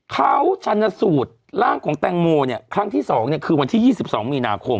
เขาชันสูตรร่างของแตงโมเนี่ยครั้งที่สองเนี่ยคือวันที่ยี่สิบสองมีนาคม